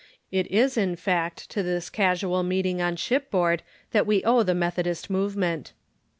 It is, in tact, to this casual meeting on shipboard that we owe the Methodist movement.